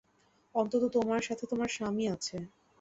অন্তত তোমার সাথে তোমার স্বামী আছে।